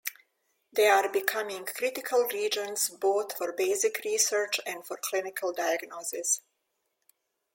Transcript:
They are becoming critical reagents both for basic research and for clinical diagnosis.